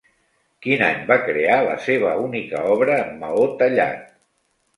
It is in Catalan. Quin any va crear la seva única obra en maó tallat?